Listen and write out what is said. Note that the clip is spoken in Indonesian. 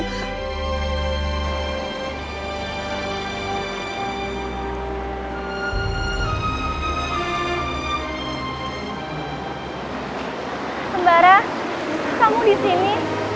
sembara kamu di sini